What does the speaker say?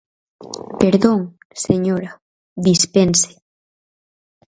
"Perdón, señora, dispense..."